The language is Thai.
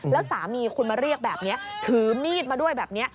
แล้วสามีคุณมาเรียกแบบนี้ถือมีดมาด้วยแบบนี้